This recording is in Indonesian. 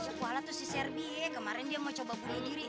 sekualah tuh si selby kemarin dia mau coba bunuh diri